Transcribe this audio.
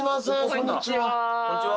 こんにちは！